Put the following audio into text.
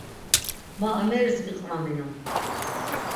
Ma ameris viqvaminon.